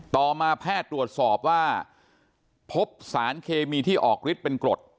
ต่อมาแพทย์ตรวจสอบว่าพบสารเคมีที่ออกฤทธิ์เป็นกรด